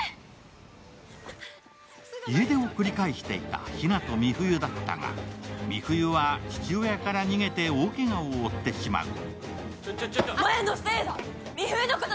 家出を繰り返していたひなと美冬だったが、美冬は父親から逃げて大けがを負ってしまう。